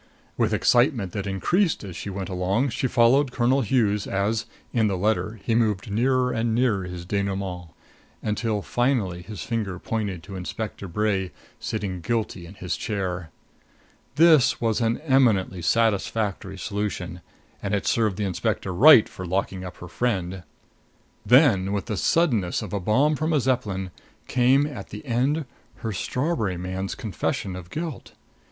With excitement that increased as she went along, she followed Colonel Hughes as in the letter he moved nearer and nearer his denouement, until finally his finger pointed to Inspector Bray sitting guilty in his chair. This was an eminently satisfactory solution, and it served the inspector right for locking up her friend. Then, with the suddenness of a bomb from a Zeppelin, came, at the end, her strawberry man's confession of guilt.